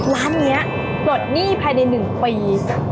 ร้านนี้ปลดหนี้ภายใน๑ปี